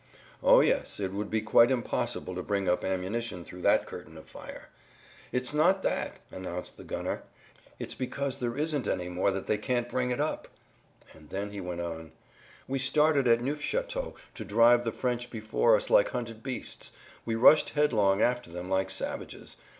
"O yes, it would be quite impossible to bring up ammunition through that curtain of fire." "It's not that," announced the gunner; "it's because there isn't any more that they can't bring it up!" And then he went on: "We started at Neufchâteau to drive the French before us like hunted beasts; we rushed headlong after them like savages.